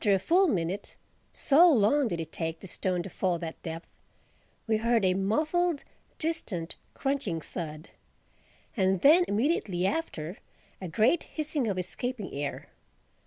After a full minute (so long did it take the stone to fall that depth) we heard a muffled, distant, crunching thud—and then immediately after, a great hissing of escaping air.